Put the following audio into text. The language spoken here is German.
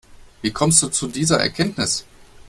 Wie kommst du zu dieser Erkenntnis?